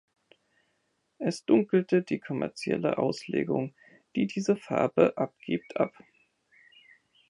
Es dunkelte die kommerzielle Auslegung, die diese Farbe abgibt, ab.